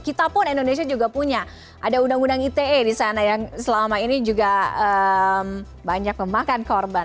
kita pun indonesia juga punya ada undang undang ite di sana yang selama ini juga banyak memakan korban